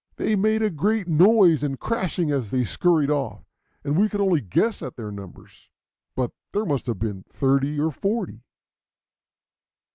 They made a great noise and crashing as they scurried off, and we could only guess at their numbers, but there must have been thirty or forty.